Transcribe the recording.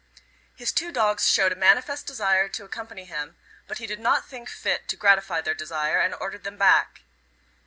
His two dogs showed a manifest desire to accompany him, but he did not think fit to gratify their desire and ordered them back.